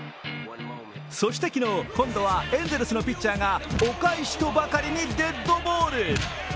そして昨日、今度はエンゼルスのピッチャーがお返しとばかりにデッドボール。